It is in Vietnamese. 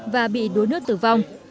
và bị đuối nước tử vong